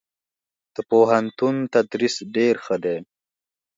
دپوهنتون تدريس ډير ښه دی.